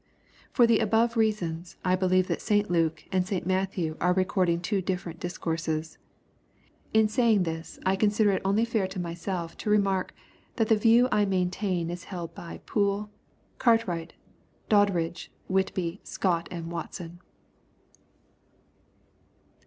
For the above reasons, I believe that St Luke and St. Mat thew are recording two different discourses. In saying this, I consider it only fair to myself to remark that the view I main tain is held by Pool, Cartwright, Doddridge, Whitby, Scott and Watson.